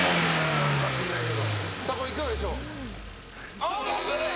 何か知らないけど。